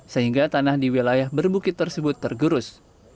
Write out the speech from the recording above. sehingga tanah di wilayah berbukit tersebut tergerus